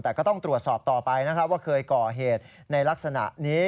แต่ก็ต้องตรวจสอบต่อไปนะครับว่าเคยก่อเหตุในลักษณะนี้